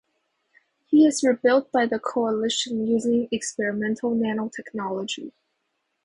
He is rebuilt by the Coalition using experimental nano-technology.